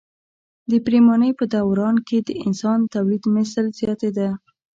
د پریمانۍ په دوران کې د انسان تولیدمثل زیاتېده.